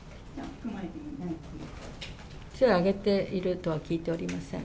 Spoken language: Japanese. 手を挙げているとは聞いておりません。